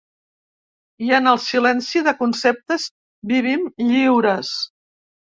I en el silenci de conceptes vivim lliures.